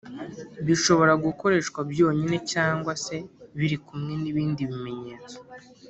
bishobora gukoreshwa byonyine cg se birikumwe nibindi bimenyetso